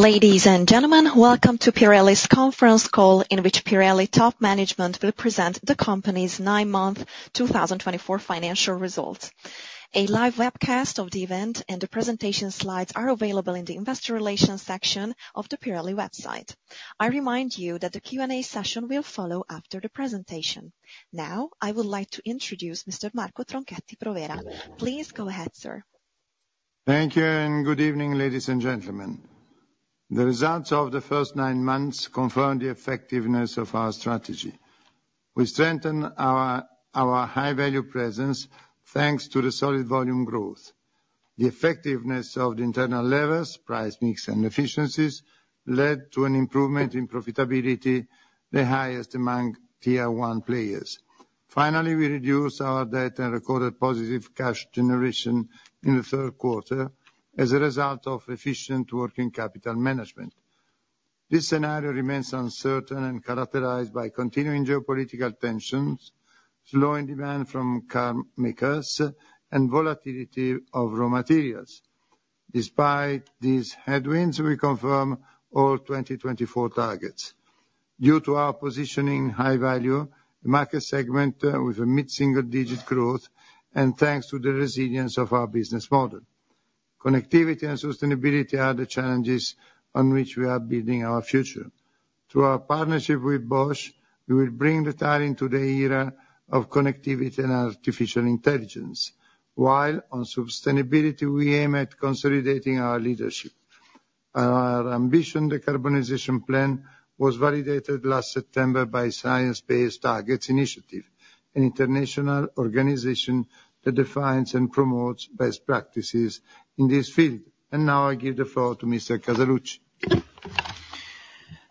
Ladies and gentlemen, welcome to Pirelli's conference call in which Pirelli top management will present the company's nine-month 2024 financial results. A live webcast of the event and the presentation slides are available in the investor relations section of the Pirelli website. I remind you that the Q&A session will follow after the presentation. Now, I would like to introduce Mr. Marco Tronchetti Provera. Please go ahead, sir. Thank you and good evening, ladies and gentlemen. The results of the first nine months confirmed the effectiveness of our strategy. We strengthened our high-value presence thanks to the solid volume growth. The effectiveness of the internal levers, price mix, and efficiencies led to an improvement in profitability, the highest among tier-one players. Finally, we reduced our debt and recorded positive cash generation in the third quarter as a result of efficient working capital management. This scenario remains uncertain and characterized by continuing geopolitical tensions, slowing demand from car makers, and volatility of raw materials. Despite these headwinds, we confirmed all 2024 targets. Due to our positioning high-value, the market segmented with a mid-single-digit growth, and thanks to the resilience of our business model. Connectivity and sustainability are the challenges on which we are building our future. Through our partnership with Bosch, we will bring the tire into the era of connectivity and artificial intelligence, while on sustainability we aim at consolidating our leadership. Our ambition, the decarbonization plan, was validated last September by Science Based Targets initiative, an international organization that defines and promotes best practices in this field. Now I give the floor to Mr. Casaluci.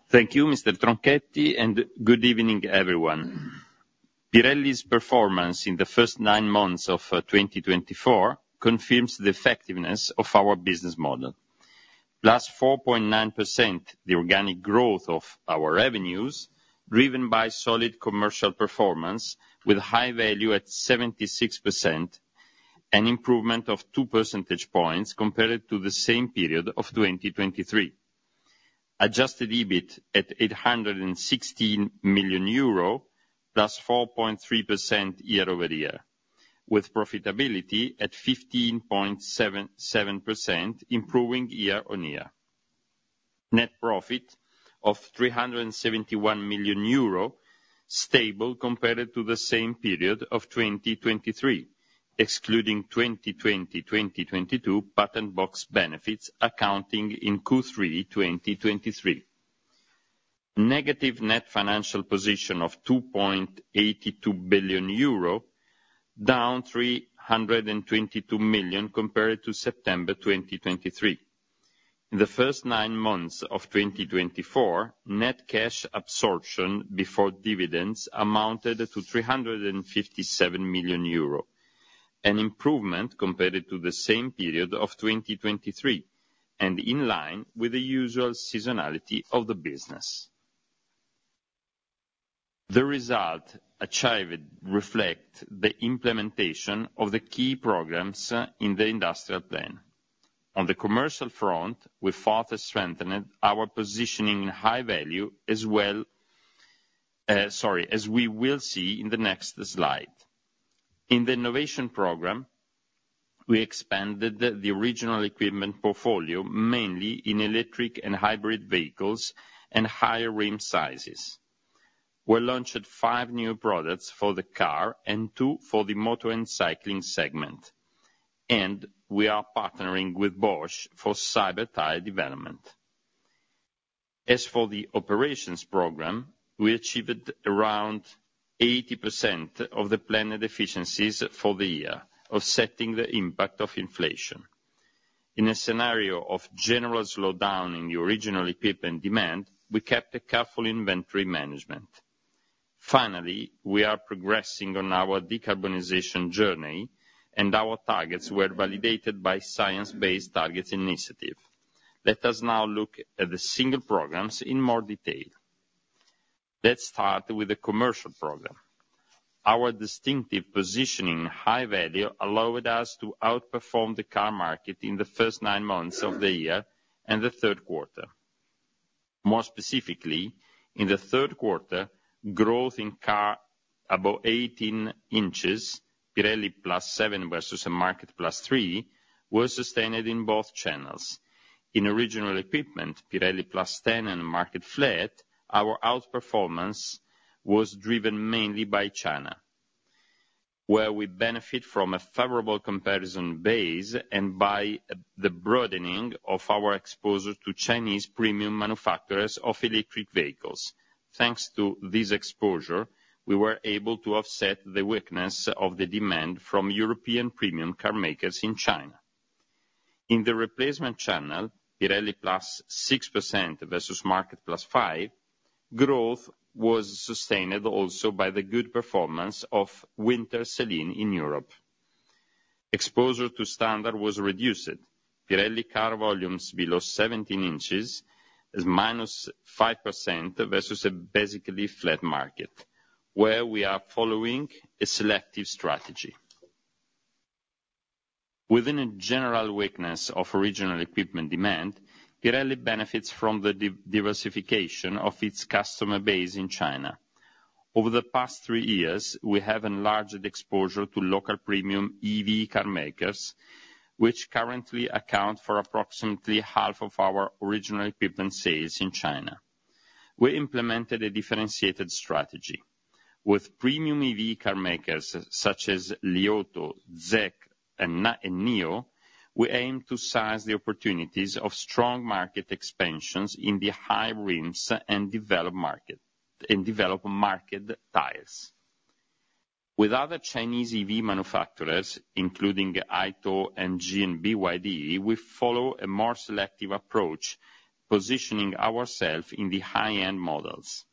Thank you, Mr. Tronchetti, and good evening, everyone. Pirelli's performance in the first nine months of 2024 confirms the effectiveness of our business model. +4.9% the organic growth of our revenues, driven by solid commercial performance with high value at 76%, an improvement of two percentage points compared to the same period of 2023. Adjusted EBIT at 816 million euro, +4.3% year-over-year, with profitability at 15.77%, improving year-on-year. Net profit of 371 million euro, stable compared to the same period of 2023, excluding 2020-2022 patent box benefits accounting in Q3 2023. Negative net financial position of 2.82 billion euro, down 322 million compared to September 2023. In the first nine months of 2024, net cash absorption before dividends amounted to 357 million euro, an improvement compared to the same period of 2023, and in line with the usual seasonality of the business. The result achieved reflects the implementation of the key programs in the industrial plan. On the Commercial front, we further strengthened our positioning in high-value, as well as we will see in the next slide. In the Innovation Program, we expanded the original equipment portfolio mainly in electric and hybrid vehicles and higher rim sizes. We launched five new products for the car and two for the motor and cycling segment, and we are partnering with Bosch for Cyber Tyre development. As for the Operations Program, we achieved around 80% of the planned efficiencies for the year, offsetting the impact of inflation. In a scenario of general slowdown in the original equipment demand, we kept a careful inventory management. Finally, we are progressing on our decarbonization journey, and our targets were validated by Science Based Targets initiative. Let us now look at the single programs in more detail. Let's start with the Commercial Program. Our distinctive positioning high-value allowed us to outperform the car market in the first nine months of the year and the third quarter. More specifically, in the third quarter, growth in car above 18 in, Pirelli +7 versus a market +3, was sustained in both channels. In original equipment, Pirelli +10 and market flat, our outperformance was driven mainly by China, where we benefit from a favorable comparison base and by the broadening of our exposure to Chinese premium manufacturers of electric vehicles. Thanks to this exposure, we were able to offset the weakness of the demand from European premium car makers in China. In the replacement channel, Pirelli +6% versus market +5, growth was sustained also by the good performance of winter selling in Europe. Exposure to standard was reduced. Pirelli car volumes below 17 in is -5% versus a basically flat market, where we are following a selective strategy. Within a general weakness of original equipment demand, Pirelli benefits from the diversification of its customer base in China. Over the past three years, we have enlarged exposure to local premium EV car makers, which currently account for approximately half of our original equipment sales in China. We implemented a differentiated strategy. With premium EV car makers such as Li Auto, Zeekr, and Nio, we aim to seize the opportunities of strong market expansions in the high rims and develop market tires. With other Chinese EV manufacturers, including Aito, MG, and BYD, we follow a more selective approach, positioning ourselves in the high-end models.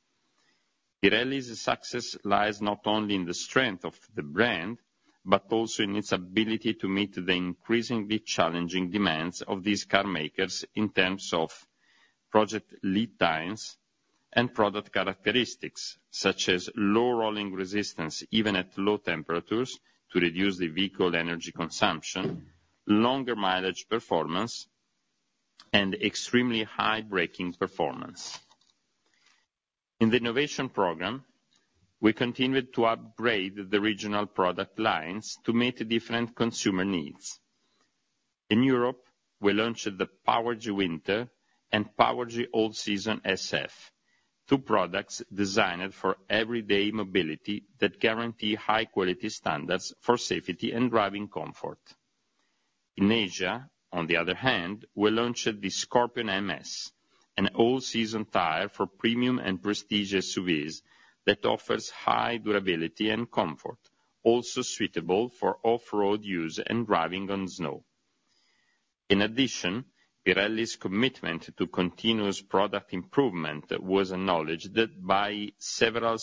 Pirelli's success lies not only in the strength of the brand, but also in its ability to meet the increasingly challenging demands of these car makers in terms of project lead times and product characteristics, such as low rolling resistance even at low temperatures to reduce the vehicle energy consumption, longer mileage performance, and extremely high braking performance. In the Innovation Program, we continued to upgrade the regional product lines to meet different consumer needs. In Europe, we launched the Powergy Winter and Powergy All Season SF, two products designed for everyday mobility that guarantee high-quality standards for safety and driving comfort. In Asia, on the other hand, we launched the Scorpion MS, an all-season tire for premium and prestigious SUVs that offers high durability and comfort, also suitable for off-road use and driving on snow. In addition, Pirelli's commitment to continuous product improvement was acknowledged by several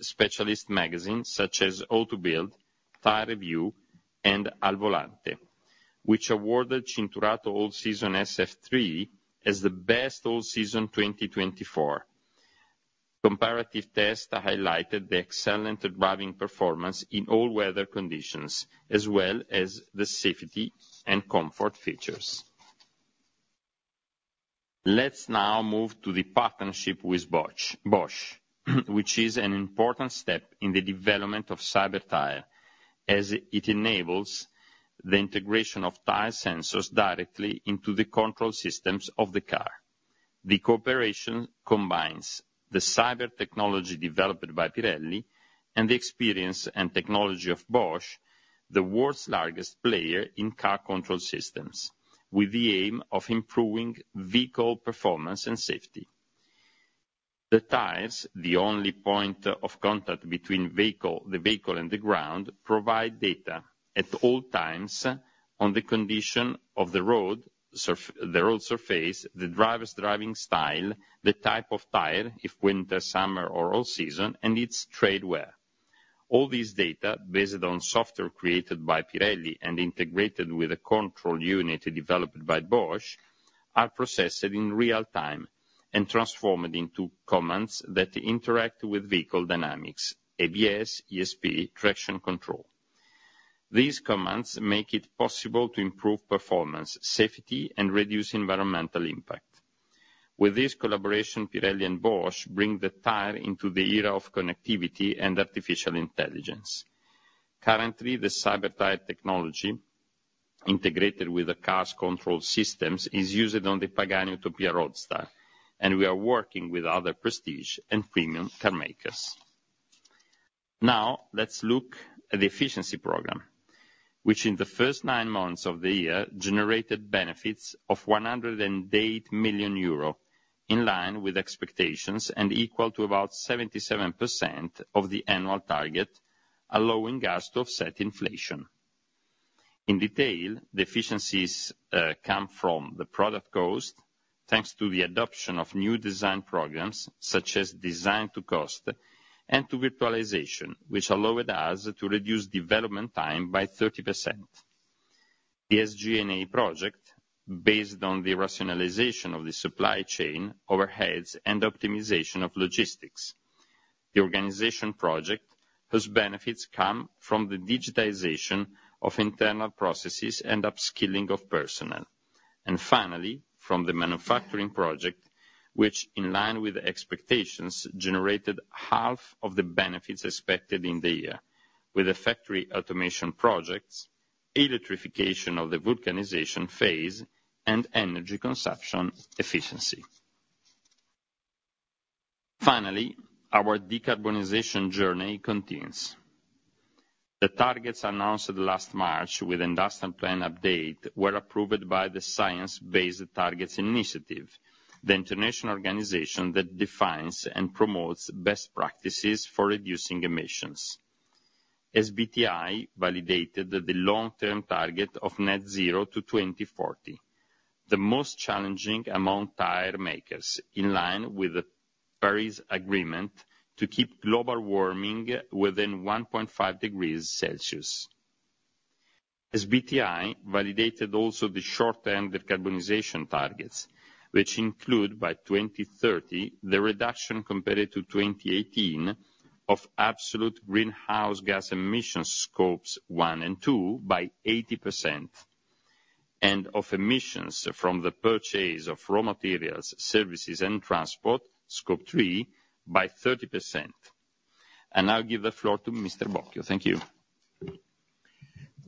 specialist magazines such as Auto Bild, Tyre Review, and alVolante, which awarded Cinturato All Season SF3 as the best all-season 2024. Comparative tests highlighted the excellent driving performance in all weather conditions, as well as the safety and comfort features. Let's now move to the partnership with Bosch, which is an important step in the development of Cyber Tyre, as it enables the integration of tire sensors directly into the control systems of the car. The cooperation combines the Cyber technology developed by Pirelli and the experience and technology of Bosch, the world's largest player in car control systems, with the aim of improving vehicle performance and safety. The tires, the only point of contact between the vehicle and the ground, provide data at all times on the condition of the road surface, the driver's driving style, the type of tire, if winter, summer, or all-season, and its tread wear. All these data, based on software created by Pirelli and integrated with a control unit developed by Bosch, are processed in real time and transformed into commands that interact with vehicle dynamics, ABS, ESP, traction control. These commands make it possible to improve performance, safety, and reduce environmental impact. With this collaboration, Pirelli and Bosch bring the tire into the era of connectivity and artificial intelligence. Currently, the Cyber Tyre technology integrated with the car's control systems is used on the Pagani Utopia Roadster, and we are working with other prestige and premium car makers. Now, let's look at the Efficiency Program, which in the first nine months of the year generated benefits of 108 million euro, in line with expectations and equal to about 77% of the annual target, allowing us to offset inflation. In detail, the efficiencies come from the product cost, thanks to the adoption of new design programs such as design-to-cost and to virtualization, which allowed us to reduce development time by 30%. The SG&A project, based on the rationalization of the supply chain, overheads and optimization of logistics. The organization project, whose benefits come from the digitization of internal processes and upskilling of personnel. And finally, from the manufacturing project, which in line with expectations generated half of the benefits expected in the year, with the factory automation projects, electrification of the vulcanization phase, and energy consumption efficiency. Finally, our decarbonization journey continues. The targets announced last March with the industrial plan update were approved by the Science Based Targets initiative, the international organization that defines and promotes best practices for reducing emissions. SBTi validated the long-term target of net zero to 2040, the most challenging among tyre makers, in line with Paris Agreement to keep global warming within 1.5 degrees Celsius. SBTi validated also the short-term decarbonization targets, which include by 2030 the reduction compared to 2018 of absolute greenhouse gas emissions Scope 1 and Scope 2 by 80%, and of emissions from the purchase of raw materials, services, and transport, Scope 3, by 30%. And I'll give the floor to Mr. Bocchio. Thank you.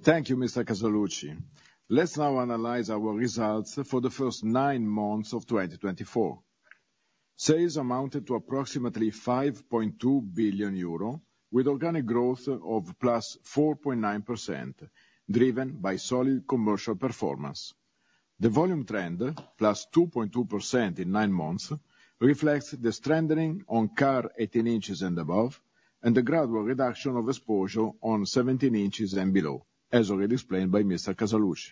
Thank you, Mr. Casaluci. Let's now analyze our results for the first nine months of 2024. Sales amounted to approximately 5.2 billion euro, with organic growth of +4.9%, driven by solid commercial performance. The volume trend, +2.2% in nine months, reflects the strengthening on car 18 in and above and the gradual reduction of exposure on 17 in and below, as already explained by Mr. Casaluci.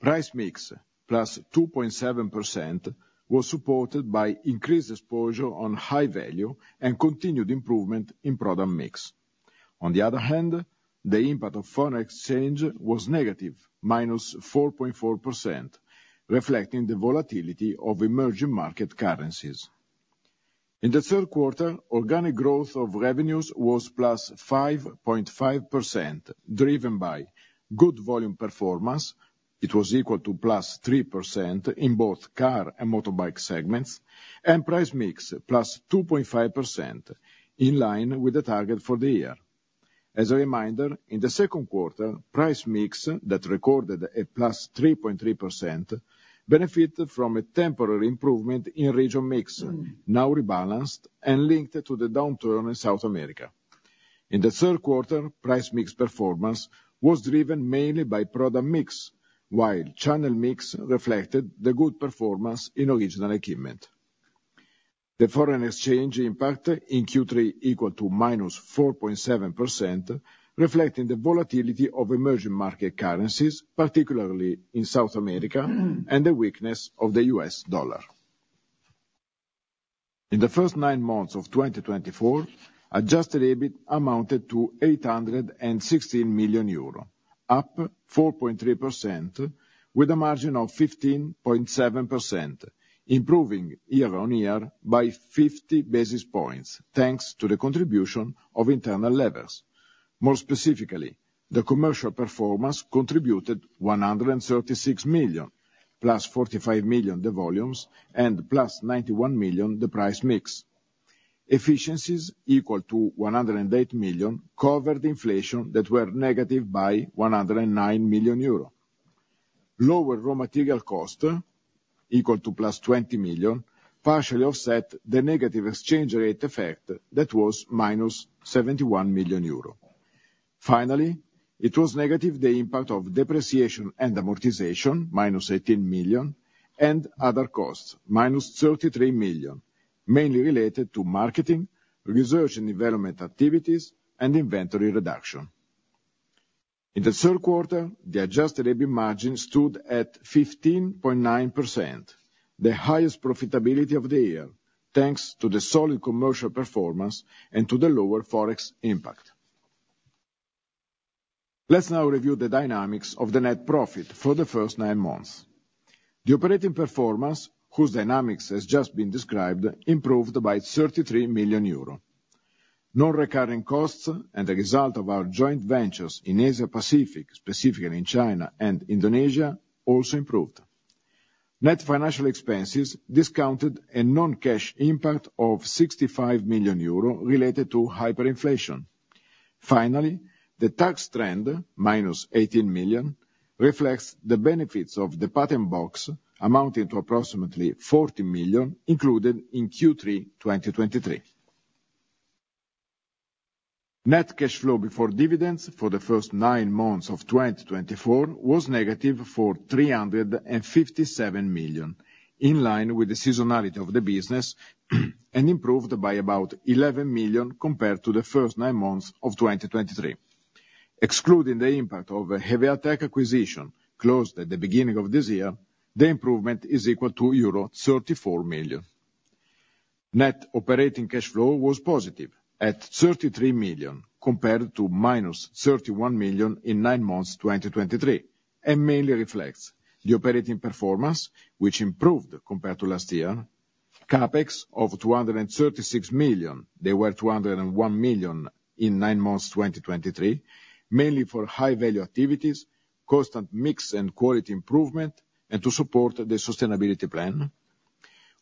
Price mix, +2.7%, was supported by increased exposure on high value and continued improvement in product mix. On the other hand, the impact of foreign exchange was negative, -4.4%, reflecting the volatility of emerging market currencies. In the third quarter, organic growth of revenues was +5.5%, driven by good volume performance, it was equal to +3% in both car and motorbike segments, and price mix, +2.5%, in line with the target for the year. As a reminder, in the second quarter, price mix that recorded a +3.3% benefited from a temporary improvement in regional mix, now rebalanced and linked to the downturn in South America. In the third quarter, price mix performance was driven mainly by product mix, while channel mix reflected the good performance in original equipment. The foreign exchange impact in Q3 equal to -4.7%, reflecting the volatility of emerging market currencies, particularly in South America, and the weakness of the U.S. dollar. In the first nine months of 2024, adjusted EBIT amounted to 816 million euro, up 4.3%, with a margin of 15.7%, improving year-on-year by 50 basis points thanks to the contribution of internal levers. More specifically, the commercial performance contributed 136 million, +45 million the volumes and +91 million the price mix. Efficiencies equal to 108 million covered inflation that were negative by 109 million euro. Lower raw material cost, equal to +20 million, partially offset the negative exchange rate effect that was -71 million euro. Finally, it was negative the impact of depreciation and amortization, -18 million, and other costs, -33 million, mainly related to marketing, research and development activities, and inventory reduction. In the third quarter, the adjusted EBIT margin stood at 15.9%, the highest profitability of the year, thanks to the solid commercial performance and to the lower forex impact. Let's now review the dynamics of the net profit for the first nine months. The operating performance, whose dynamics has just been described, improved by 33 million euro. Non-recurring costs and the result of our joint ventures in Asia-Pacific, specifically in China and Indonesia, also improved. Net financial expenses discounted a non-cash impact of 65 million euro related to hyperinflation. Finally, the tax trend, -18 million, reflects the benefits of the patent box amounting to approximately 40 million included in Q3 2023. Net cash flow before dividends for the first nine months of 2024 was negative for 357 million, in line with the seasonality of the business and improved by about 11 million compared to the first nine months of 2023. Excluding the impact of a Hevea-Tec acquisition closed at the beginning of this year, the improvement is equal to euro 34 million. Net operating cash flow was positive at 33 million compared to -31 million in nine months 2023, and mainly reflects the operating performance, which improved compared to last year, CapEx of 236 million. There were 201 million in nine months 2023, mainly for high-value activities, constant mix and quality improvement, and to support the sustainability plan.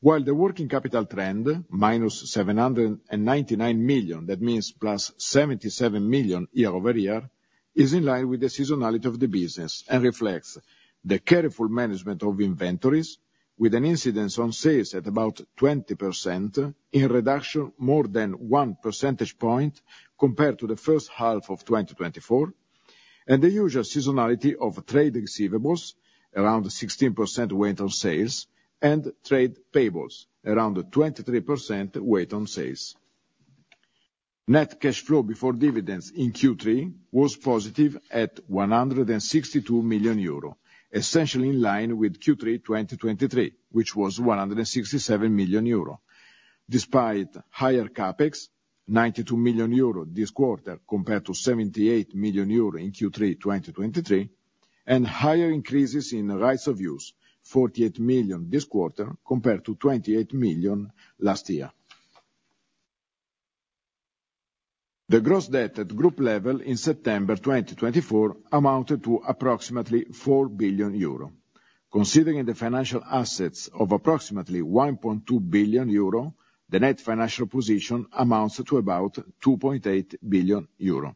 While the working capital trend, minus 799 million, that means +77 million year-over-year, is in line with the seasonality of the business and reflects the careful management of inventories, with an incidence on sales at about 20%, in reduction more than one percentage point compared to the first half of 2024, and the usual seasonality of trade receivables, around 16% weight on sales, and trade payables, around 23% weight on sales. Net cash flow before dividends in Q3 was positive at 162 million euro, essentially in line with Q3 2023, which was 167 million euro, despite higher CapEx, 92 million euro this quarter compared to 78 million euro in Q3 2023, and higher increases in rights of use, 48 million this quarter compared to 28 million last year. The gross debt at group level in September 2024 amounted to approximately 4 billion euro. Considering the financial assets of approximately 1.2 billion euro, the net financial position amounts to about 2.8 billion euro.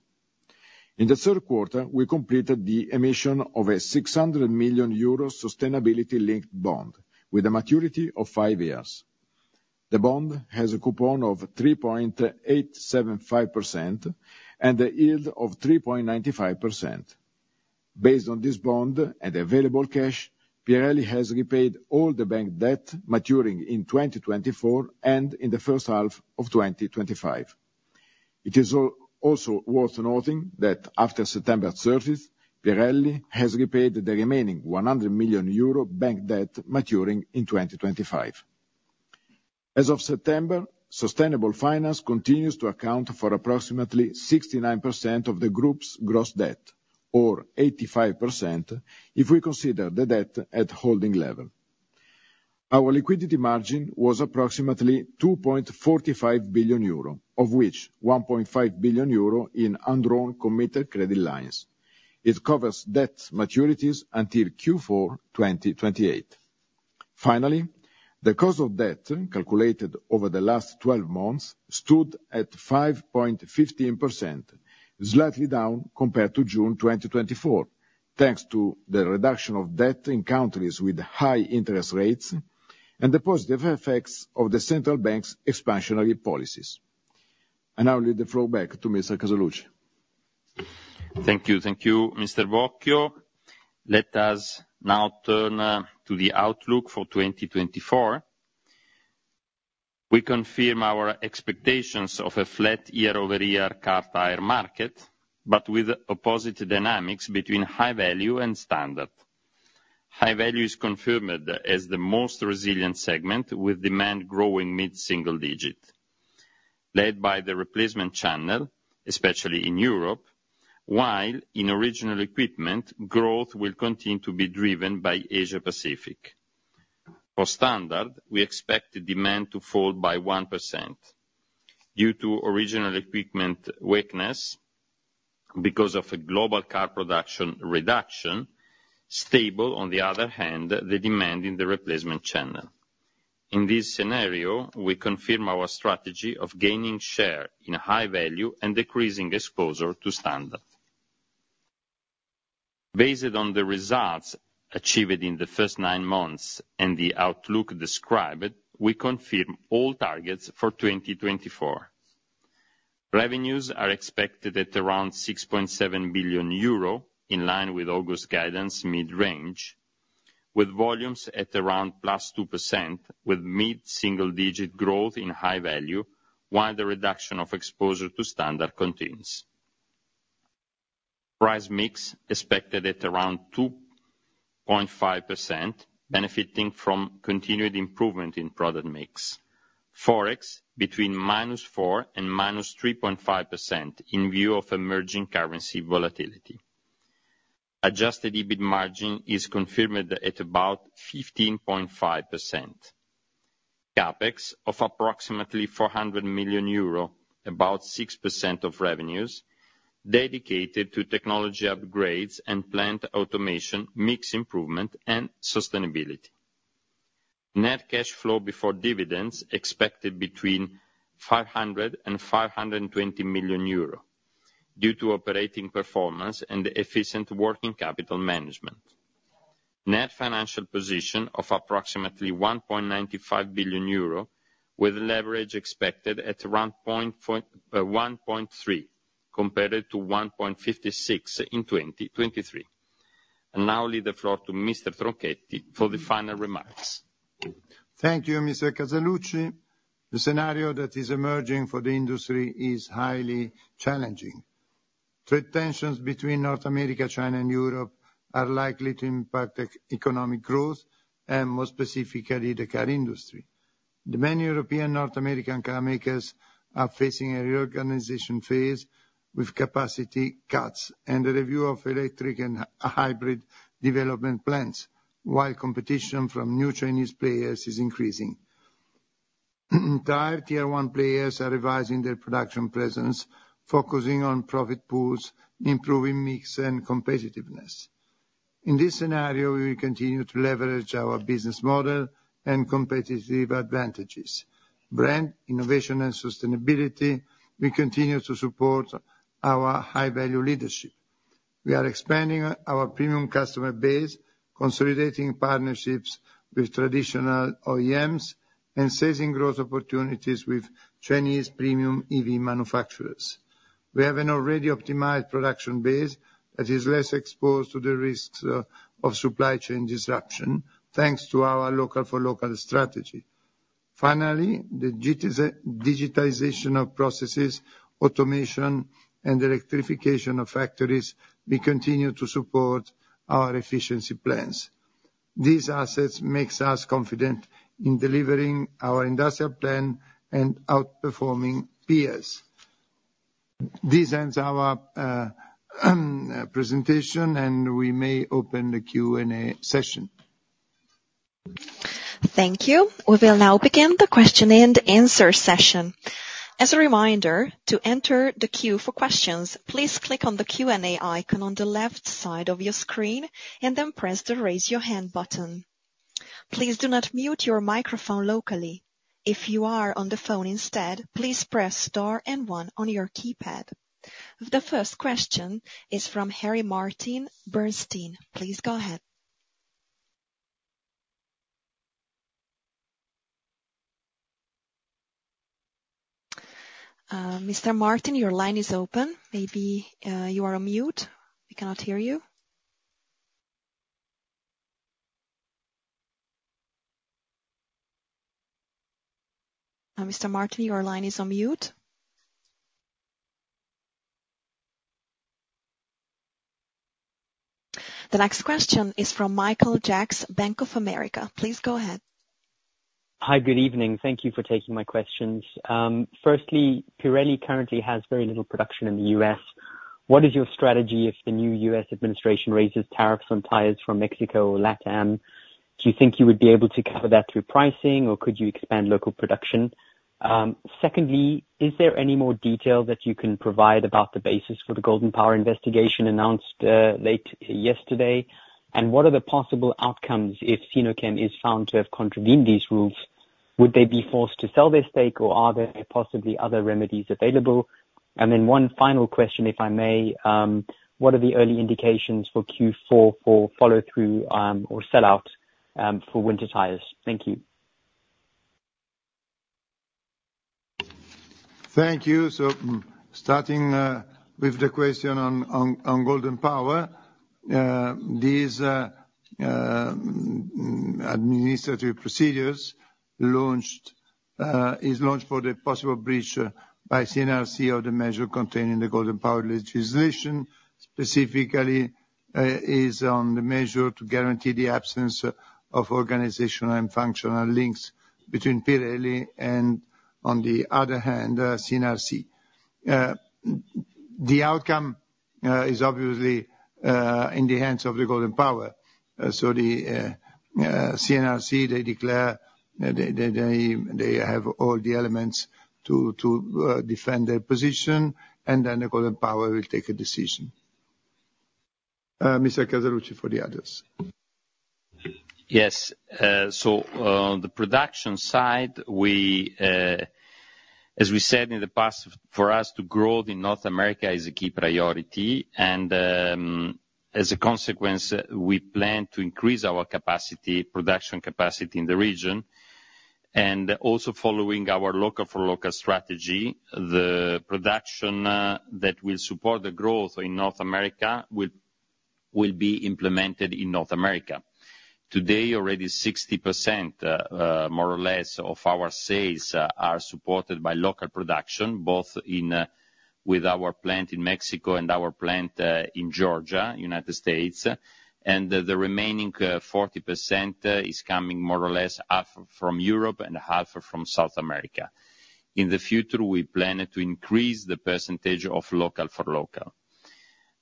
In the third quarter, we completed the emission of a 600 million euro sustainability-linked bond with a maturity of five years. The bond has a coupon of 3.875% and a yield of 3.95%. Based on this bond and available cash, Pirelli has repaid all the bank debt maturing in 2024 and in the first half of 2025. It is also worth noting that after September 30th, Pirelli has repaid the remaining 100 million euro bank debt maturing in 2025. As of September, sustainable finance continues to account for approximately 69% of the Group's gross debt, or 85%, if we consider the debt at holding level. Our liquidity margin was approximately 2.45 billion euro, of which 1.5 billion euro in undrawn committed credit lines. It covers debt maturities until Q4 2028. Finally, the cost of debt calculated over the last 12 months stood at 5.15%, slightly down compared to June 2024, thanks to the reduction of debt in countries with high interest rates and the positive effects of the central bank's expansionary policies, and I'll leave the floor back to Mr. Casaluci. Thank you. Thank you, Mr. Bocchio. Let us now turn to the outlook for 2024. We confirm our expectations of a flat year-over-year car tire market, but with opposite dynamics between high value and standard. High value is confirmed as the most resilient segment, with demand growing mid-single digit, led by the replacement channel, especially in Europe, while in original equipment, growth will continue to be driven by Asia-Pacific. For standard, we expect demand to fall by 1% due to original equipment weakness because of a global car production reduction. Stable, on the other hand, the demand in the replacement channel. In this scenario, we confirm our strategy of gaining share in high value and decreasing exposure to standard. Based on the results achieved in the first nine months and the outlook described, we confirm all targets for 2024. Revenues are expected at around 6.7 billion euro, in line with August guidance mid-range, with volumes at around +2%, with mid-single digit growth in high-value, while the reduction of exposure to standard continues. Price mix expected at around 2.5%, benefiting from continued improvement in product mix. Forex between -4% and -3.5% in view of emerging currency volatility. Adjusted EBIT margin is confirmed at about 15.5%. CapEx of approximately 400 million euro, about 6% of revenues, dedicated to technology upgrades and plant automation mix improvement and sustainability. Net cash flow before dividends expected between 500 and 520 million euro due to operating performance and efficient working capital management. Net financial position of approximately 1.95 billion euro, with leverage expected at around 1.3% compared to 1.56% in 2023. And I'll leave the floor to Mr. Tronchetti for the final remarks. Thank you, Mr. Casaluci. The scenario that is emerging for the industry is highly challenging. Trade tensions between North America, China, and Europe are likely to impact economic growth and, more specifically, the car industry. The many European and North American car makers are facing a reorganization phase with capacity cuts and the review of electric and hybrid development plans, while competition from new Chinese players is increasing. Entire Tier 1 players are revising their production presence, focusing on profit pools, improving mix and competitiveness. In this scenario, we will continue to leverage our business model and competitive advantages. Brand, innovation, and sustainability. We continue to support our high-value leadership. We are expanding our premium customer base, consolidating partnerships with traditional OEMs and seizing growth opportunities with Chinese premium EV manufacturers. We have an already optimized production base that is less exposed to the risks of supply chain disruption, thanks to our local-for-local strategy. Finally, the digitization of processes, automation, and electrification of factories, we continue to support our efficiency plans. These assets make us confident in delivering our industrial plan and outperforming peers. This ends our presentation, and we may open the Q&A session. Thank you. We will now begin the question and answer session. As a reminder, to enter the queue for questions, please click on the Q&A icon on the left side of your screen and then press the Raise Your Hand button. Please do not mute your microphone locally. If you are on the phone instead, please press star and one on your keypad. The first question is from Harry Martin, Bernstein. Please go ahead. Mr. Martin, your line is open. Maybe you are on mute. We cannot hear you. Mr. Martin, your line is on mute. The next question is from Michael Jacks, Bank of America. Please go ahead. Hi, good evening. Thank you for taking my questions. Firstly, Pirelli currently has very little production in the U.S. What is your strategy if the new U.S. administration raises tariffs on tires from Mexico or LATAM? Do you think you would be able to cover that through pricing, or could you expand local production? Secondly, is there any more detail that you can provide about the basis for the Golden Power investigation announced late yesterday? And what are the possible outcomes if Sinochem is found to have contravened these rules? Would they be forced to sell their stake, or are there possibly other remedies available? And then one final question, if I may, what are the early indications for Q4 for follow-through or sell-out for winter tires? Thank you. Thank you. So starting with the question on Golden Power, these administrative procedures is launched for the possible breach by CNRC of the measure contained in the Golden Power legislation. Specifically, it is on the measure to guarantee the absence of organizational and functional links between Pirelli and, on the other hand, CNRC. The outcome is obviously in the hands of the Golden Power. So the CNRC, they declare that they have all the elements to defend their position, and then the Golden Power will take a decision. Mr. Casaluci for the others. Yes. So on the production side, as we said in the past, for us to grow in North America is a key priority. And as a consequence, we plan to increase our capacity, production capacity in the region. And also following our local-for-local strategy, the production that will support the growth in North America will be implemented in North America. Today, already 60%, more or less, of our sales are supported by local production, both with our plant in Mexico and our plant in Georgia, United States. And the remaining 40% is coming more or less half from Europe and half from South America. In the future, we plan to increase the percentage of local-for-local.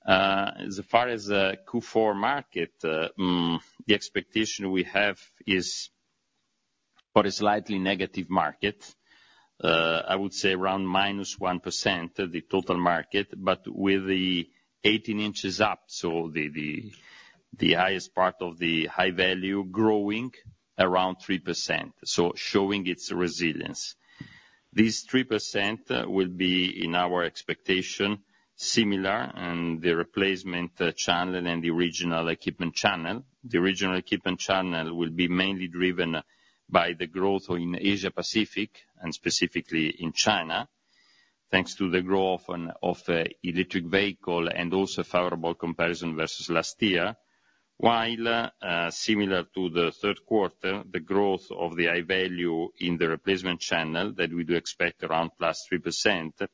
As far as the Q4 market, the expectation we have is for a slightly negative market. I would say around -1% of the total market, but with the 18 in up, so the highest part of the high value growing around 3%, so showing its resilience. These 3% will be, in our expectation, similar in the replacement channel and the original equipment channel. The original equipment channel will be mainly driven by the growth in Asia-Pacific and specifically in China, thanks to the growth of electric vehicles and also favorable comparison versus last year. While, similar to the third quarter, the growth of the high value in the replacement channel that we do expect around plus 3%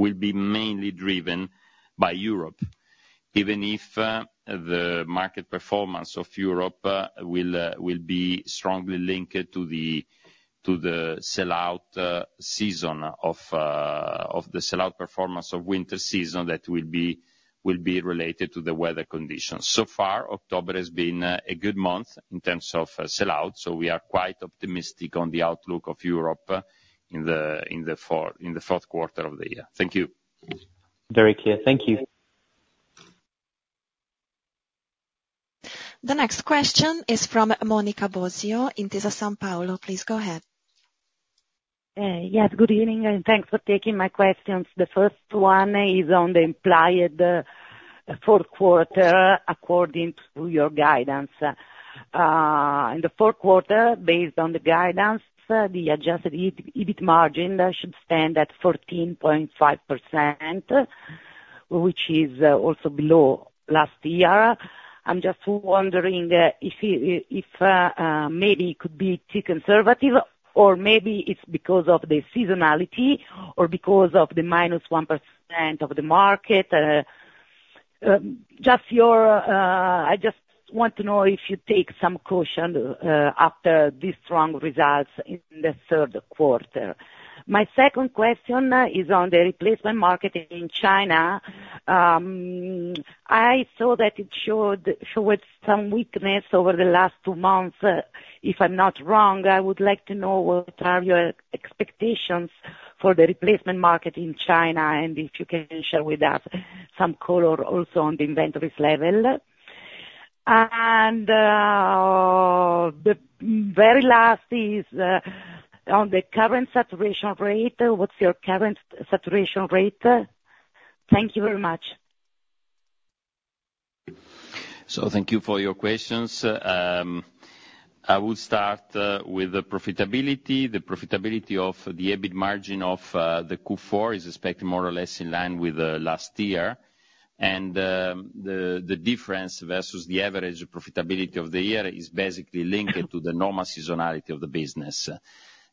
will be mainly driven by Europe, even if the market performance of Europe will be strongly linked to the sell-out performance of winter season that will be related to the weather conditions. So far, October has been a good month in terms of sell-out, so we are quite optimistic on the outlook of Europe in the fourth quarter of the year. Thank you. Very clear. Thank you. The next question is from Monica Bosio in Intesa Sanpaolo. Please go ahead. Yes, good evening, and thanks for taking my questions. The first one is on the implied fourth quarter according to your guidance. In the fourth quarter, based on the guidance, the adjusted EBIT margin should stand at 14.5%, which is also below last year. I'm just wondering if maybe it could be too conservative, or maybe it's because of the seasonality or because of the -1% of the market. I just want to know if you take some caution after these strong results in the third quarter. My second question is on the replacement market in China. I saw that it showed some weakness over the last two months. If I'm not wrong, I would like to know what are your expectations for the replacement market in China, and if you can share with us some color also on the inventories level. And the very last is on the current saturation rate. What's your current saturation rate? Thank you very much. Thank you for your questions. I will start with the profitability. The profitability of the EBIT margin of the Q4 is expected more or less in line with last year. The difference versus the average profitability of the year is basically linked to the normal seasonality of the business.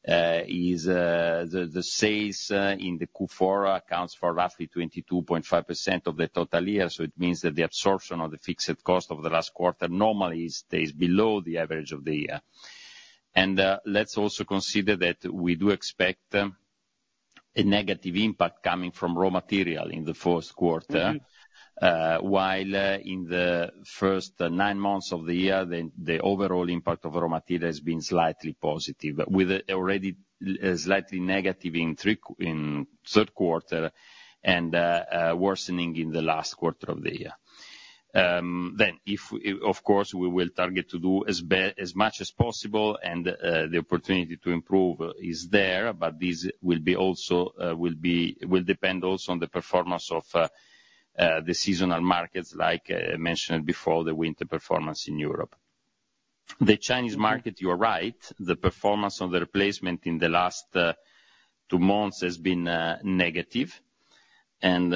The sales in the Q4 accounts for roughly 22.5% of the total year, so it means that the absorption of the fixed cost of the last quarter normally stays below the average of the year. Let's also consider that we do expect a negative impact coming from raw material in the fourth quarter, while in the first nine months of the year, the overall impact of raw material has been slightly positive, with already slightly negative in third quarter and worsening in the last quarter of the year. Then, of course, we will target to do as much as possible, and the opportunity to improve is there, but this will depend also on the performance of the seasonal markets, like I mentioned before, the winter performance in Europe. The Chinese market, you're right, the performance of the replacement in the last two months has been negative, and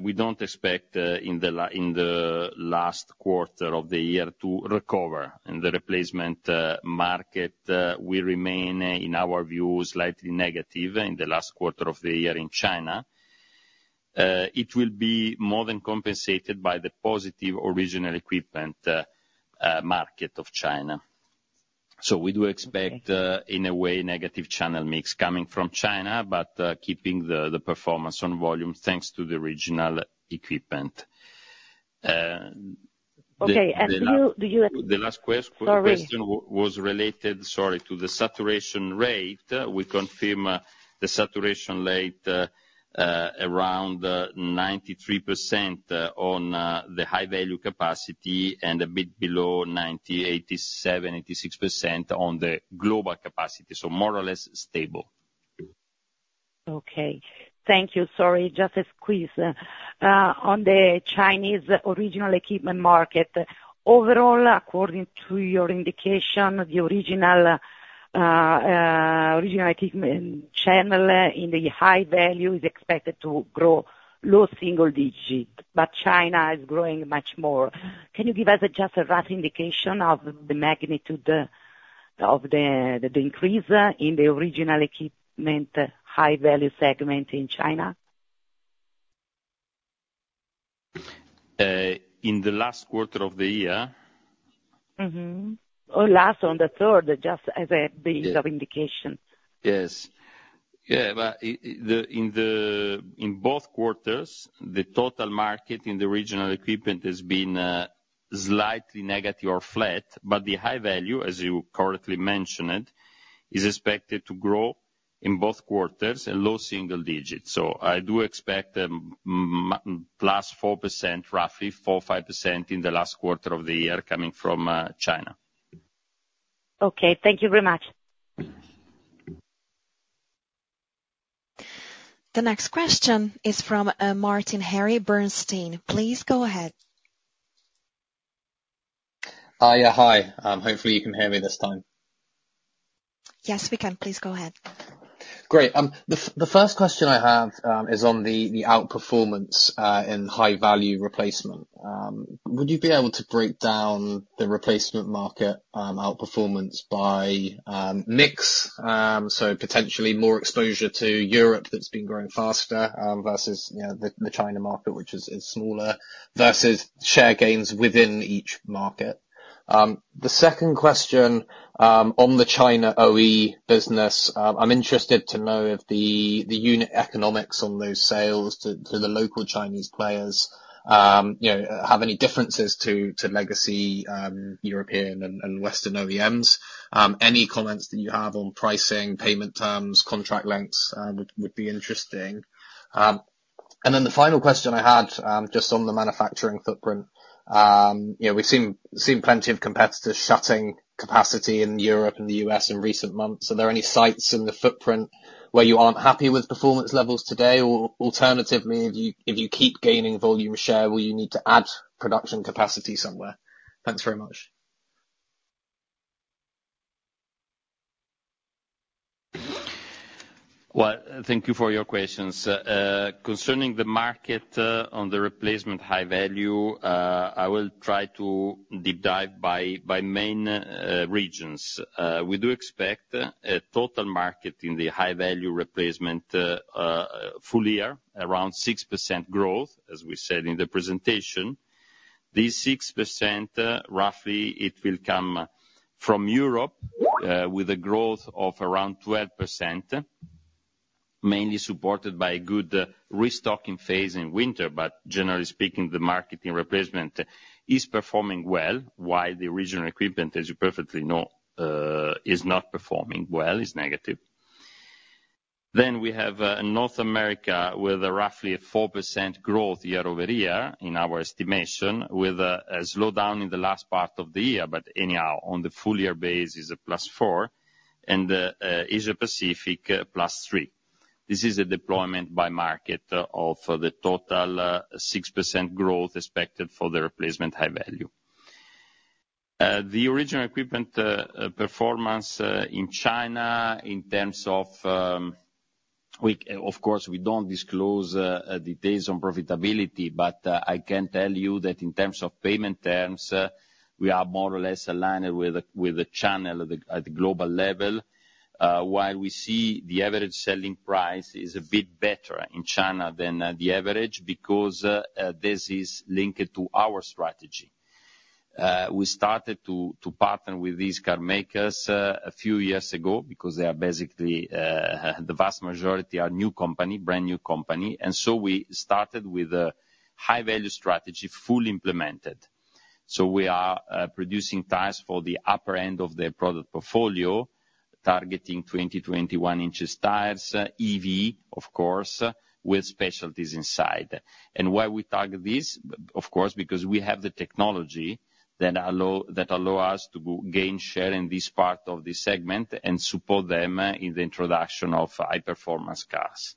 we don't expect in the last quarter of the year to recover, and the replacement market will remain, in our view, slightly negative in the last quarter of the year in China. It will be more than compensated by the positive original equipment market of China, so we do expect, in a way, negative channel mix coming from China, but keeping the performance on volume thanks to the original equipment. Okay. And do you? The last question was related, sorry, to the saturation rate. We confirm the saturation rate around 93% on the high-value capacity and a bit below 90, 87, 86% on the global capacity, so more or less stable. Okay. Thank you. Sorry, just a squeeze. On the Chinese original equipment market, overall, according to your indication, the original equipment channel in the high value is expected to grow low single digit, but China is growing much more. Can you give us just a rough indication of the magnitude of the increase in the original equipment high-value segment in China? In the last quarter of the year? Mm-hmm. Or last on the third, just as a base of indication. Yes. Yeah. In both quarters, the total market in the original equipment has been slightly negative or flat, but the high value, as you correctly mentioned, is expected to grow in both quarters and low single digit. So I do expect plus 4%, roughly 4%-5% in the last quarter of the year coming from China. Okay. Thank you very much. The next question is from Harry Martin from Bernstein. Please go ahead. Hiya. Hi. Hopefully, you can hear me this time? Yes, we can. Please go ahead. Great. The first question I have is on the outperformance in high-value replacement. Would you be able to break down the replacement market outperformance by mix, so potentially more exposure to Europe that's been growing faster versus the China market, which is smaller, versus share gains within each market? The second question on the China OE business, I'm interested to know if the unit economics on those sales to the local Chinese players have any differences to legacy European and Western OEMs. Any comments that you have on pricing, payment terms, contract lengths would be interesting. And then the final question I had just on the manufacturing footprint. We've seen plenty of competitors shutting capacity in Europe and the U.S. in recent months. Are there any sites in the footprint where you aren't happy with performance levels today? Alternatively, if you keep gaining volume share, will you need to add production capacity somewhere? Thanks very much. Thank you for your questions. Concerning the market in the high-value replacement, I will try to deep dive by main regions. We do expect a total market in the high-value replacement full-year, around 6% growth, as we said in the presentation. These 6%, roughly, it will come from Europe with a growth of around 12%, mainly supported by a good restocking phase in winter. But generally speaking, the market in replacement is performing well, while the original equipment, as you perfectly know, is not performing well, is negative. Then we have North America with roughly a 4% growth year-over-year in our estimation, with a slowdown in the last part of the year, but anyhow, on the full-year base, it's a +4%, and Asia-Pacific, +3%. This is a breakdown by market of the total 6% growth expected for the high-value replacement. The original equipment performance in China in terms of, of course, we don't disclose details on profitability, but I can tell you that in terms of payment terms, we are more or less aligned with the channel at the global level, while we see the average selling price is a bit better in China than the average because this is linked to our strategy. We started to partner with these car makers a few years ago because they are basically, the vast majority are new company, brand new company. And so we started with a high-value strategy fully implemented. So we are producing tires for the upper end of their product portfolio, targeting 21 in tires, EV, of course, with specialties inside. And why we target this, of course, because we have the technology that allow us to gain share in this part of the segment and support them in the introduction of high-performance cars.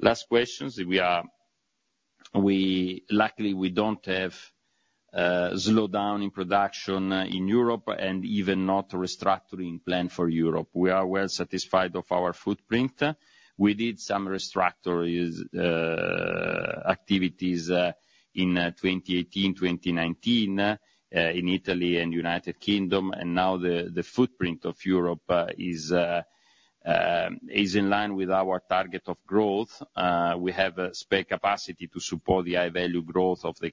Last questions. Luckily, we don't have a slowdown in production in Europe and even not a restructuring plan for Europe. We are well satisfied of our footprint. We did some restructuring activities in 2018, 2019 in Italy and United Kingdom, and now the footprint of Europe is in line with our target of growth. We have spare capacity to support the high-value growth of the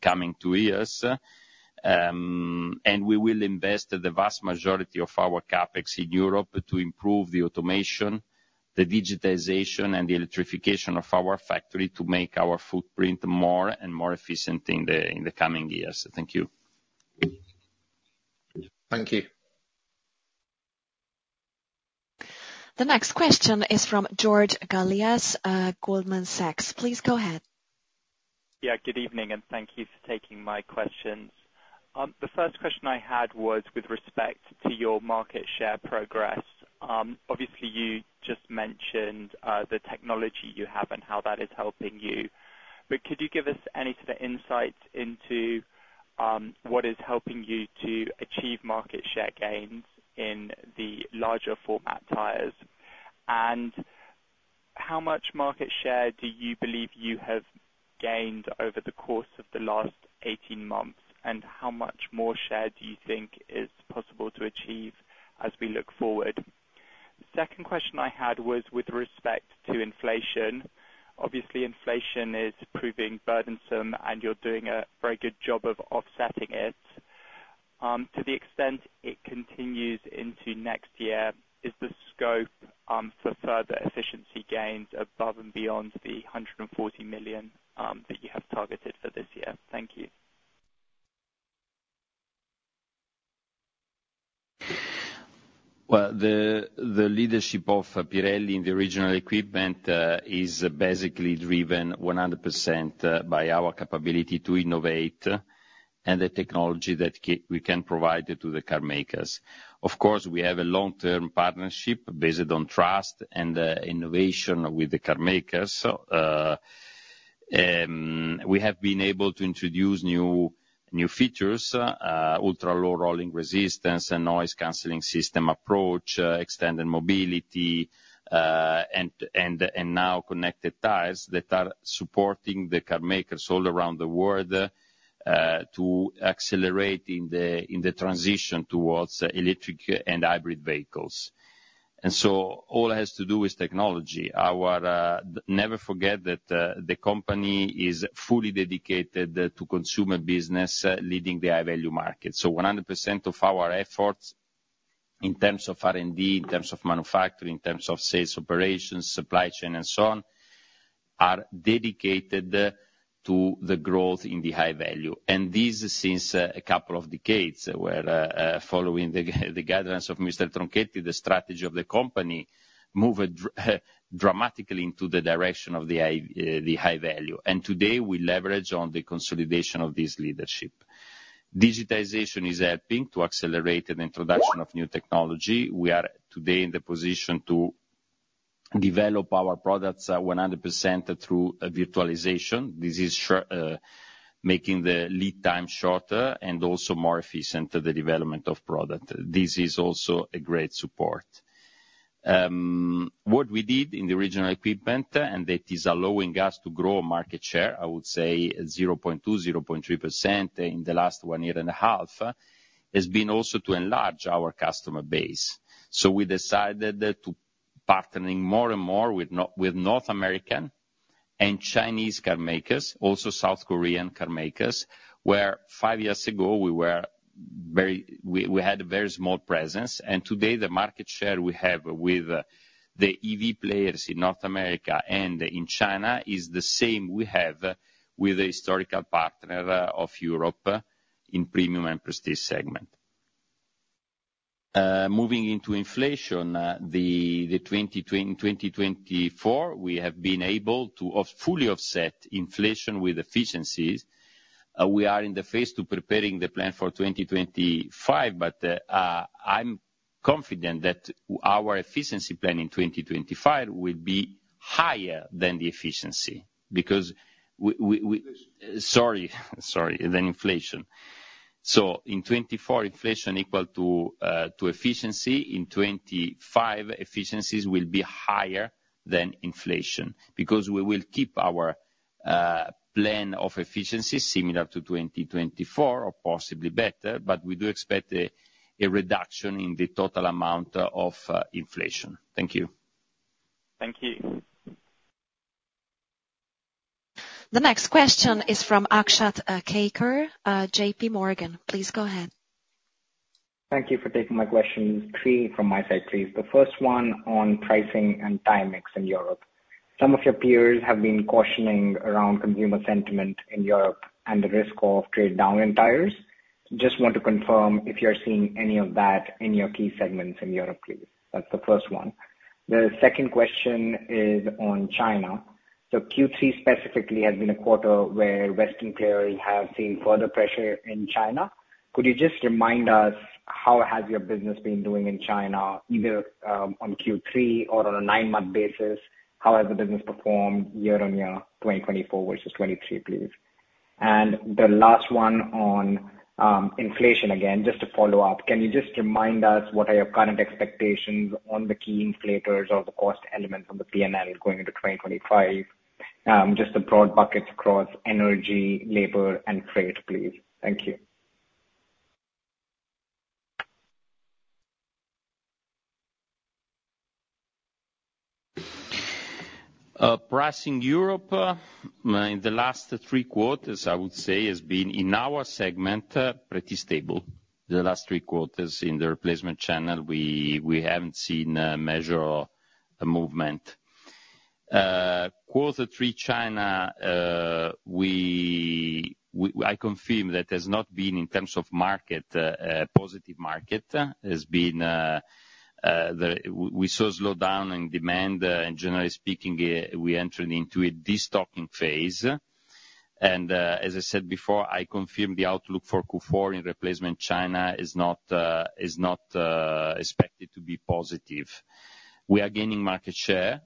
coming two years. And we will invest the vast majority of our CapEx in Europe to improve the automation, the digitization, and the electrification of our factory to make our footprint more and more efficient in the coming years. Thank you. Thank you. The next question is from George Galliers, Goldman Sachs. Please go ahead. Yeah, good evening, and thank you for taking my questions. The first question I had was with respect to your market share progress. Obviously, you just mentioned the technology you have and how that is helping you. But could you give us any sort of insight into what is helping you to achieve market share gains in the larger format tires? And how much market share do you believe you have gained over the course of the last 18 months, and how much more share do you think is possible to achieve as we look forward? The second question I had was with respect to inflation. Obviously, inflation is proving burdensome, and you're doing a very good job of offsetting it. To the extent it continues into next year, is the scope for further efficiency gains above and beyond the 140 million that you have targeted for this year? Thank you. The leadership of Pirelli in the original equipment is basically driven 100% by our capability to innovate and the technology that we can provide to the car makers. Of course, we have a long-term partnership based on trust and innovation with the car makers. We have been able to introduce new features, ultra-low rolling resistance and noise-canceling system approach, extended mobility, and now connected tires that are supporting the car makers all around the world to accelerate in the transition towards electric and hybrid vehicles. All it has to do is technology. Never forget that the company is fully dedicated to consumer business, leading the high-value market. 100% of our efforts in terms of R&D, in terms of manufacturing, in terms of sales operations, supply chain, and so on, are dedicated to the growth in the high-value. This is since a couple of decades where, following the guidelines of Mr. Tronchetti, the strategy of the company moved dramatically into the direction of the high value. Today, we leverage on the consolidation of this leadership. Digitization is helping to accelerate the introduction of new technology. We are today in the position to develop our products 100% through virtualization. This is making the lead time shorter and also more efficient to the development of product. This is also a great support. What we did in the original equipment, and that is allowing us to grow market share, I would say 0.2%-0.3% in the last one year and a half, has been also to enlarge our customer base. So we decided to partner more and more with North American and Chinese car makers, also South Korean car makers, where five years ago we had a very small presence. And today, the market share we have with the EV players in North America and in China is the same we have with the historical partner of Europe in premium and prestige segment. Moving into inflation, in 2024, we have been able to fully offset inflation with efficiencies. We are in the phase to preparing the plan for 2025, but I'm confident that our efficiency plan in 2025 will be higher than the efficiency because we, sorry, sorry, than inflation. So in 2024, inflation equal to efficiency. In 2025, efficiencies will be higher than inflation because we will keep our plan of efficiency similar to 2024 or possibly better, but we do expect a reduction in the total amount of inflation. Thank you. Thank you. The next question is from Akshat Kacker, JPMorgan. Please go ahead. Thank you for taking my questions. Three from my side, please. The first one on pricing and time mix in Europe. Some of your peers have been cautioning around consumer sentiment in Europe and the risk of trade-down in tires. Just want to confirm if you're seeing any of that in your key segments in Europe, please. That's the first one. The second question is on China. So Q3 specifically has been a quarter where Western players have seen further pressure in China. Could you just remind us how has your business been doing in China, either on Q3 or on a nine-month basis, how has the business performed year-on-year, 2024 versus 2023, please? The last one on inflation, again, just to follow up, can you just remind us what are your current expectations on the key inflators or the cost elements on the P&L going into 2025? Just a broad bucket across energy, labor, and freight, please. Thank you. Pricing in Europe in the last three quarters, I would say, has been in our segment pretty stable. The last three quarters in the replacement channel, we haven't seen a measure of movement. Quarter three China, I confirm that there's not been in terms of market, a positive market. We saw a slowdown in demand. Generally speaking, we entered into a destocking phase. And as I said before, I confirm the outlook for Q4 in replacement China is not expected to be positive. We are gaining market share,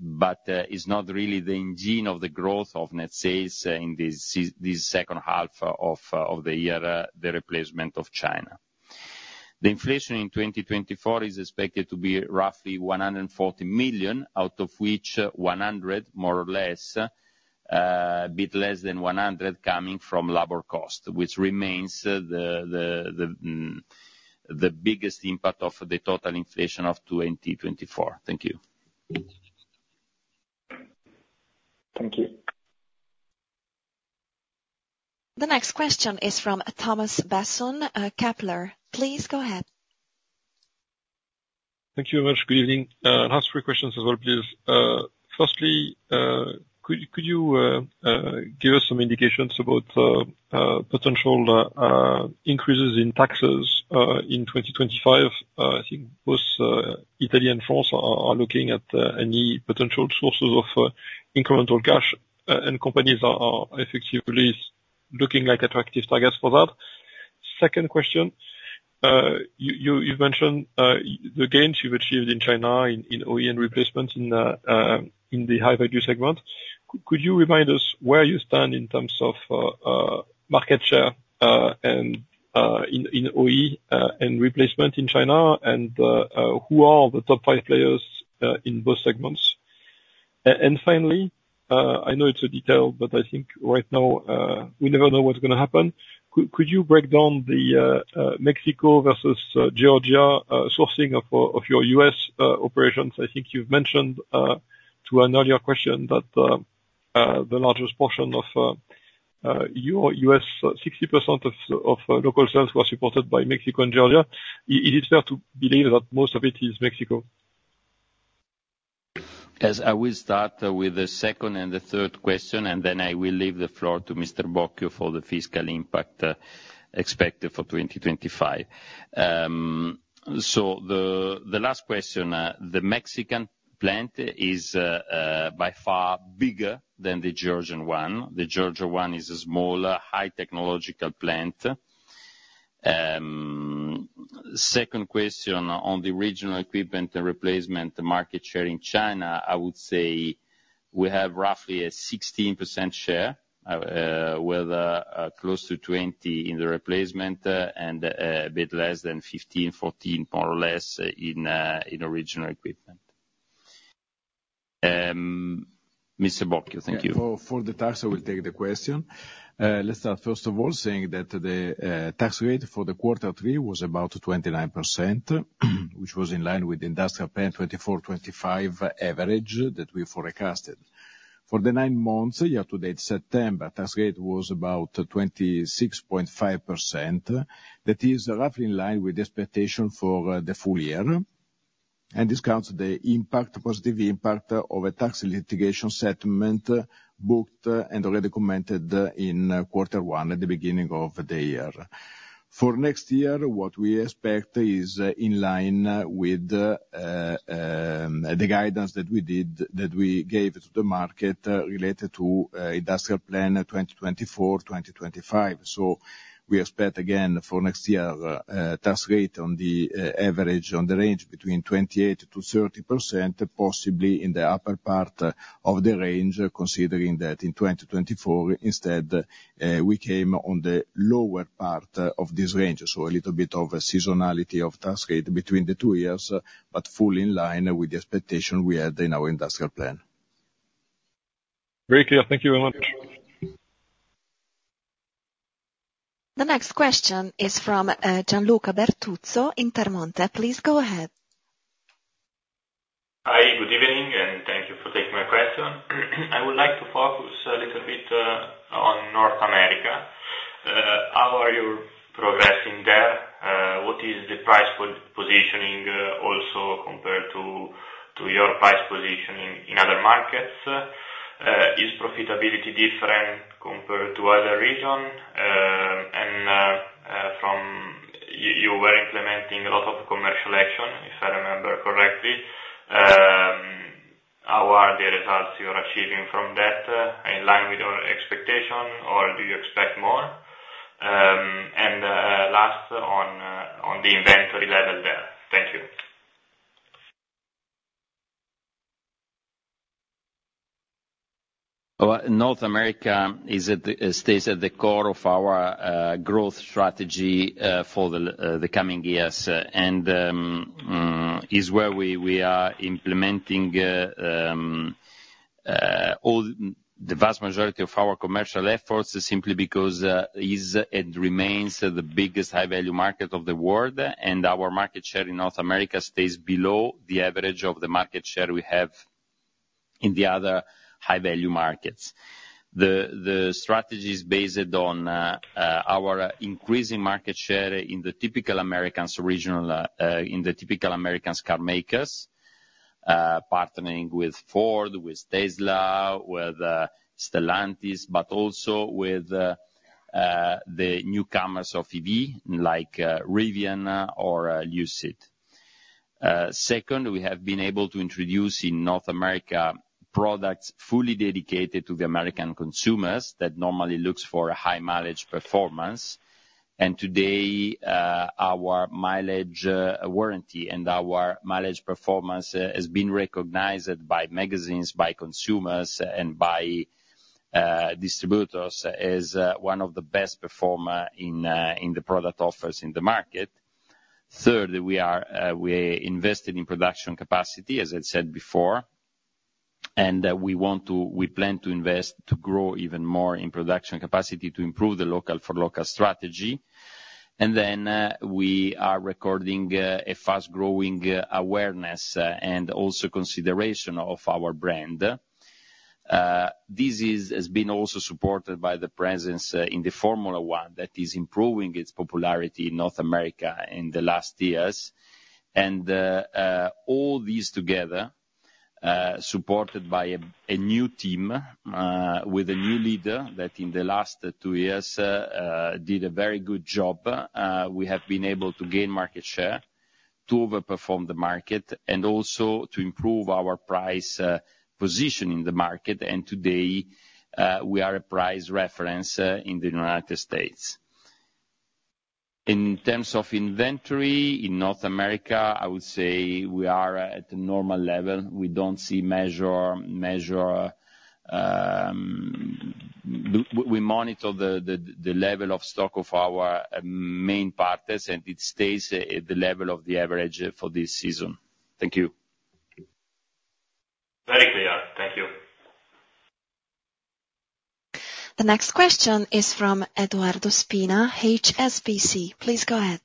but it's not really the engine of the growth of net sales in this second half of the year, the replacement of China. The inflation in 2024 is expected to be roughly 140 million, out of which 100, more or less, a bit less than 100 coming from labor cost, which remains the biggest impact of the total inflation of 2024. Thank you. Thank you. The next question is from Thomas Besson, Kepler. Please go ahead. Thank you very much. Good evening. Last three questions as well, please. Firstly, could you give us some indications about potential increases in taxes in 2025? I think both Italy and France are looking at any potential sources of incremental cash, and companies are effectively looking at attractive targets for that. Second question, you've mentioned the gains you've achieved in China in OEM replacement in the high-value segment. Could you remind us where you stand in terms of market share in OE and replacement in China, and who are the top five players in both segments? And finally, I know it's a detail, but I think right now we never know what's going to happen. Could you break down the Mexico versus Georgia sourcing of your U.S. operations? I think you've mentioned to an earlier question that the largest portion of U.S., 60% of local sales were supported by Mexico and Georgia. Is it fair to believe that most of it is Mexico? Yes, I will start with the second and the third question, and then I will leave the floor to Mr. Bocchio for the fiscal impact expected for 2025. So the last question, the Mexican plant is by far bigger than the Georgian one. The Georgian one is a smaller, high-technological plant. Second question on the regional equipment and replacement market share in China, I would say we have roughly a 16% share, with close to 20% in the replacement and a bit less than 15%, 14%, more or less, in original equipment. Mr. Bocchio? Thank you. For the tax, I will take the question. Let's start first of all saying that the tax rate for the quarter three was about 29%, which was in line with the industrial plan 2024-2025 average that we forecasted. For the nine months, year-to-date September, tax rate was about 26.5%. That is roughly in line with the expectation for the full year. And this counts the positive impact of a tax litigation settlement booked and already commented in quarter one at the beginning of the year. For next year, what we expect is in line with the guidance that we gave to the market related to industrial plan 2024-2025. So we expect again for next year, tax rate on the average on the range between 28%-30%, possibly in the upper part of the range, considering that in 2024, instead, we came on the lower part of this range. So a little bit of seasonality of tax rate between the two years, but fully in line with the expectation we had in our industrial plan. Very clear. Thank you very much. The next question is from Gianluca Bertuzzo in Intermonte. Please go ahead. Hi, good evening, and thank you for taking my question. I would like to focus a little bit on North America. How are you progressing there? What is the price positioning also compared to your price positioning in other markets? Is profitability different compared to other regions? And you were implementing a lot of commercial action, if I remember correctly. How are the results you're achieving from that in line with your expectation, or do you expect more? And last, on the inventory level there? Thank you. North America stays at the core of our growth strategy for the coming years and is where we are implementing the vast majority of our commercial efforts simply because it remains the biggest high-value market of the world, and our market share in North America stays below the average of the market share we have in the other high-value markets. The strategy is based on our increasing market share in the typical American regional, in the typical American car makers, partnering with Ford, with Tesla, with Stellantis, but also with the newcomers of EV like Rivian or Lucid. Second, we have been able to introduce in North America products fully dedicated to the American consumers that normally look for a high mileage performance. Today, our mileage warranty and our mileage performance has been recognized by magazines, by consumers, and by distributors as one of the best performers in the product offers in the market. Third, we invested in production capacity, as I said before, and we plan to invest to grow even more in production capacity to improve the local-for-local strategy. Then we are recording a fast-growing awareness and also consideration of our brand. This has been also supported by the presence in the Formula One that is improving its popularity in North America in the last years. All these together, supported by a new team with a new leader that in the last two years did a very good job, we have been able to gain market share, to overperform the market, and also to improve our price position in the market. Today, we are a price reference in the United States. In terms of inventory in North America, I would say we are at a normal level. We don't see measure. We monitor the level of stock of our main partners, and it stays at the level of the average for this season. Thank you. Very clear. Thank you. The next question is from Edoardo Spina, HSBC. Please go ahead.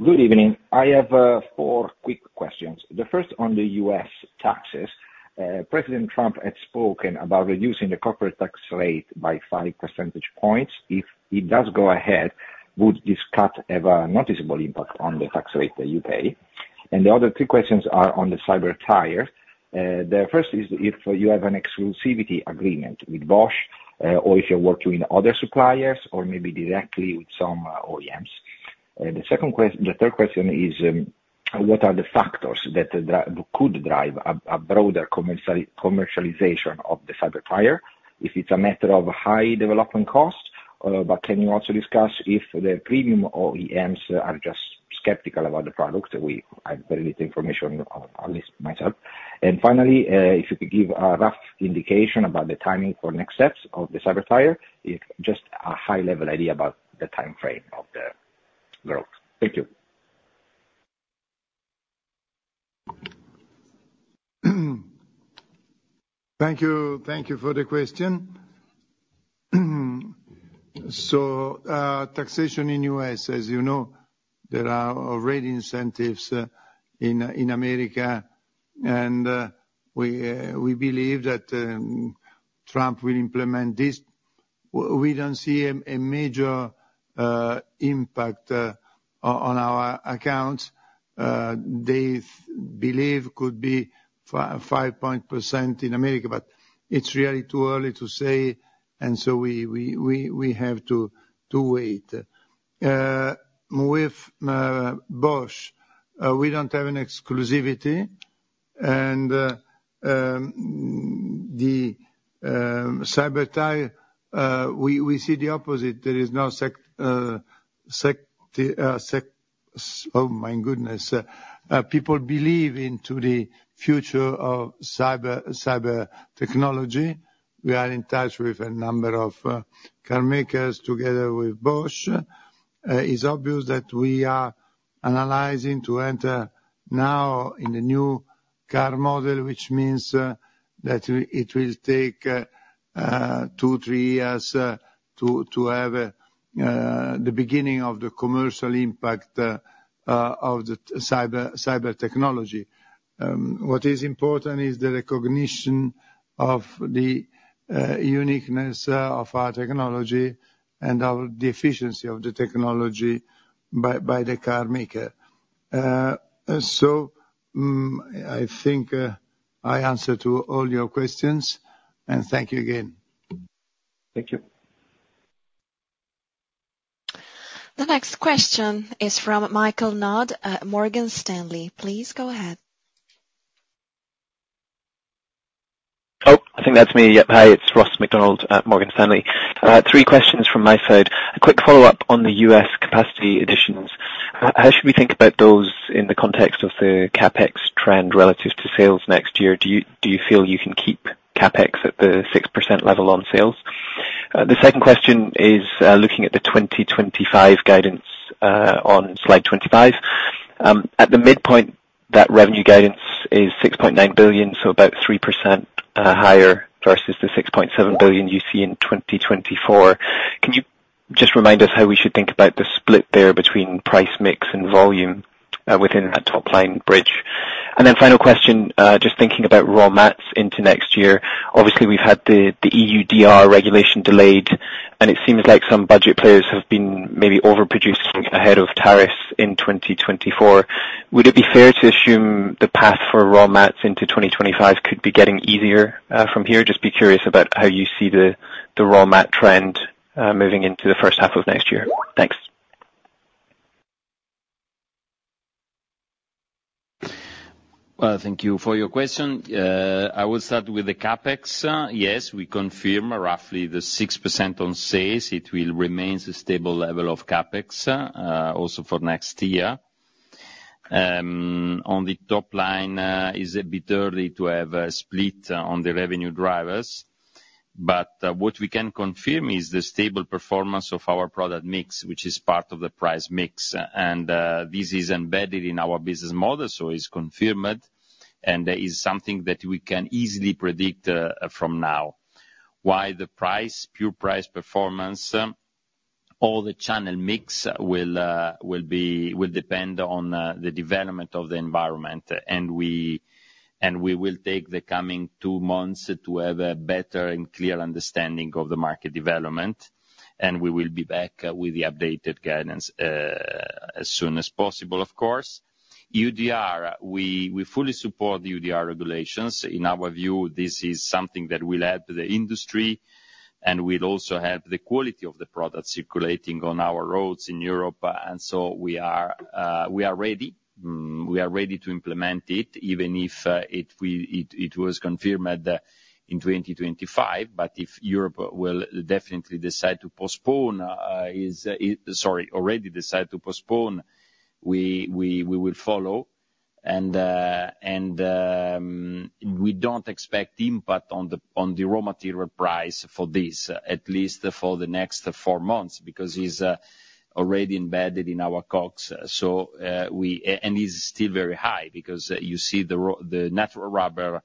Good evening. I have four quick questions. The first on the U.S. taxes. President Trump had spoken about reducing the corporate tax rate by 5 percentage points. If he does go ahead, would this cut have a noticeable impact on the tax rate that you pay? And the other two questions are on the Cyber Tyre. The first is if you have an exclusivity agreement with Bosch or if you're working with other suppliers or maybe directly with some OEMs. The third question is what are the factors that could drive a broader commercialization of the Cyber Tyre? If it's a matter of high development cost, but can you also discuss if the premium OEMs are just skeptical about the product? I have very little information on this myself. Finally, if you could give a rough indication about the timing for next steps of the Cyber Tyre, just a high-level idea about the timeframe of the growth. Thank you. Thank you. Thank you for the question. So taxation in the U.S., as you know, there are already incentives in America, and we believe that Trump will implement this. We don't see a major impact on our accounts. They believe it could be 5% in America, but it's really too early to say, and so we have to wait. With Bosch, we don't have an exclusivity. And the Cyber Tyre, we see the opposite. There is no sector. Oh, my goodness. People believe in the future of cyber technology. We are in touch with a number of car makers together with Bosch. It's obvious that we are analyzing to enter now in the new car model, which means that it will take two, three years to have the beginning of the commercial impact of the cyber technology. What is important is the recognition of the uniqueness of our technology and the efficiency of the technology by the car maker, so I think I answered all your questions, and thank you again. Thank you. The next question is from Michael Nodd at Morgan Stanley. Please go ahead. Oh, I think that's me. Hi, it's Ross MacDonald at Morgan Stanley. Three questions from my side. A quick follow-up on the U.S. capacity additions. How should we think about those in the context of the CapEx trend relative to sales next year? Do you feel you can keep CapEx at the 6% level on sales? The second question is looking at the 2025 guidance on Slide 25. At the midpoint, that revenue guidance is 6.9 billion, so about 3% higher versus the 6.7 billion you see in 2024. Can you just remind us how we should think about the split there between price mix and volume within that top line bridge? And then final question, just thinking about raw mats into next year. Obviously, we've had the EUDR regulation delayed, and it seems like some budget players have been maybe overproducing ahead of tariffs in 2024. Would it be fair to assume the path for raw mats into 2025 could be getting easier from here? Just be curious about how you see the raw mat trend moving into the first half of next year. Thanks. Thank you for your question. I will start with the CapEx. Yes, we confirm roughly the 6% on sales. It will remain a stable level of CapEx also for next year. On the top line, it's a bit early to have a split on the revenue drivers, but what we can confirm is the stable performance of our product mix, which is part of the price mix. And this is embedded in our business model, so it's confirmed, and it's something that we can easily predict from now. Why the pure price performance, all the channel mix will depend on the development of the environment, and we will take the coming two months to have a better and clear understanding of the market development, and we will be back with the updated guidance as soon as possible, of course. EUDR, we fully support the EUDR regulations. In our view, this is something that will help the industry, and we'll also help the quality of the product circulating on our roads in Europe, and so we are ready. We are ready to implement it, even if it was confirmed in 2025, but if Europe will definitely decide to postpone, sorry, already decide to postpone, we will follow, and we don't expect impact on the raw material price for this, at least for the next four months, because it's already embedded in our COGS. And it's still very high because you see the natural rubber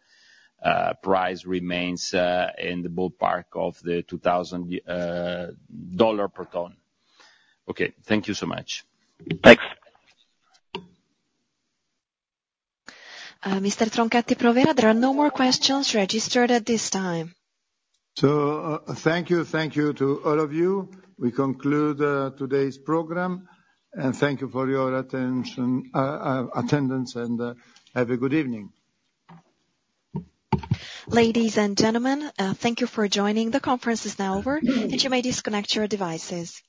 price remains in the ballpark of the $2,000 per ton. Okay. Thank you so much. Thanks. Mr. Tronchetti Provera, there are no more questions registered at this time. So thank you. Thank you to all of you. We conclude today's program, and thank you for your attendance, and have a good evening. Ladies and gentlemen, thank you for joining. The conference is now over, and you may disconnect your devices.